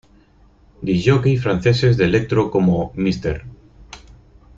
Disc-Jockeys franceses de electro, como "Mr.